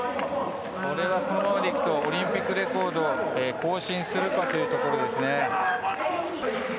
これはこのままいくとオリンピックレコードを更新するかというところですね。